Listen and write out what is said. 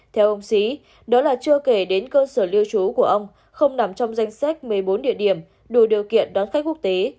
theo ông xí đó là chưa kể đến cơ sở lưu trú của ông không nằm trong danh sách một mươi bốn địa điểm đủ điều kiện đón khách quốc tế